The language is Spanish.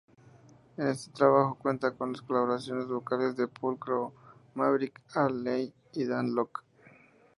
Este trabajo cuenta con las colaboraciones vocales de Pulcro, Maverick, Alley y Dan Lok.